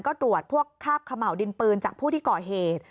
ก็ตรวจพวกคาบขม่าวดินปืนจากผู้ที่ก่อเหตุ